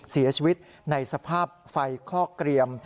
เสียชีวิตในสภาพไฟคลอกเกรียม